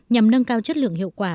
nhằm nâng cao chất lượng hiệu quả